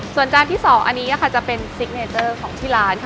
ส่วนจานที่๒อันนี้จะเป็นซิกเนเจอร์ของที่ร้านค่ะ